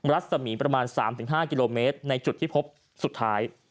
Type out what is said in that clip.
รัศมีประมาณ๓๕กิโลเมตรในจุดที่พบสุดท้าย